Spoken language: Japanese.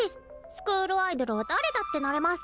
スクールアイドルは誰だってなれマス。